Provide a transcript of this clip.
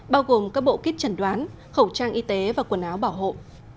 bao gồm các bộ kít trần đoán khẩu trang y tế và quần áo bảo hộ